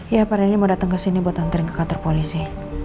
ya pak reni mau datang ke sini buat antreng ke kantor polisi